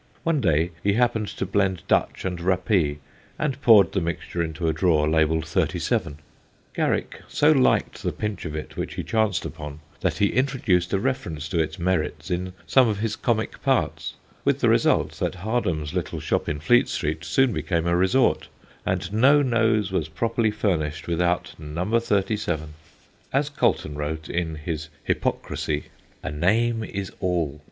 One day he happened to blend Dutch and rappee and poured the mixture into a drawer labelled 37. Garrick so liked the pinch of it which he chanced upon, that he introduced a reference to its merits in some of his comic parts, with the result that Hardham's little shop in Fleet Street soon became a resort, and no nose was properly furnished without No. 37. As Colton wrote, in his Hypocrisy: A name is all.